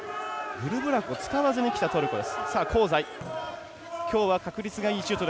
グルブラクを使わずにきたトルコです。